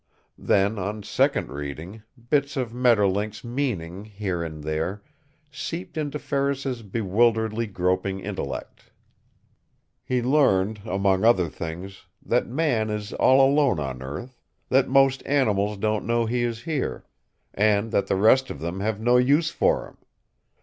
Then, on second reading, bits of Maeterlinck's meaning, here and there, seeped into Ferris's bewilderedly groping intellect. He learned, among other things, that Man is all alone on earth; that most animals don't know he is here, and that the rest of them have no use for him.